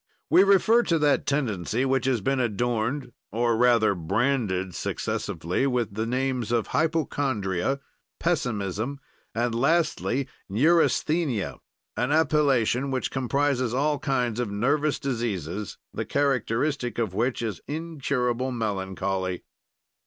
We refer to that tendency which has been adorned or rather branded successively with the names of hypochondria, pessimism, and lastly neurasthenia, an appellation which comprises all kinds of nervous diseases, the characteristic of which is incurable melancholy.